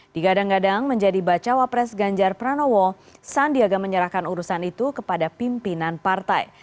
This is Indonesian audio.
digadang gadang menjadi bacawa pres ganjar pranowo sandiaga menyerahkan urusan itu kepada pimpinan partai